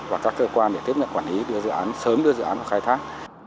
và các cơ quan để tiếp nhận quản lý đưa dự án sớm đưa dự án vào khai thác